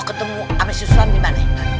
ketemu amesnya sulam dimana